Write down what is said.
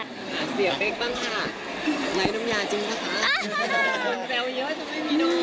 เสียเป๊กบ้างค่ะไร้นมยาจริงนะคะ